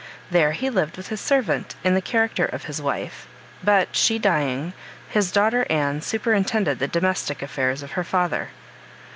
There he lived with his servant in the character of his wife; but she dying, his daughter Anne superintended the domestic affairs of her father.